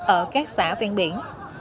ở các xã ven biển